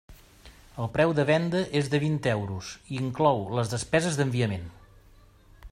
El preu de venda és de vint euros i inclou les despeses d'enviament.